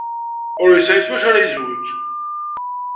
Ur yesɛi s wacu ara yezwej.